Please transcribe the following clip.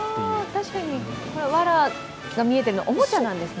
確かに、わらが見えてるの、おもちゃなんですね。